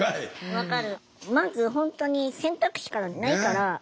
分かる。